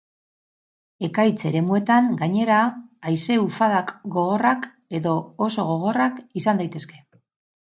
Ekaitz eremuetan, gainera, haize-ufadak gogorrak edo oso gogorrak izan daitezke.